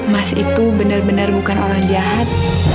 mas itu benar benar bukan orang jahat